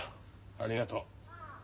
ありがとう。